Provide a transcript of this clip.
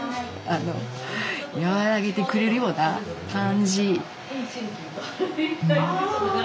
和らげてくれるような感じ。